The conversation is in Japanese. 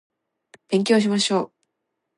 勉強しましょう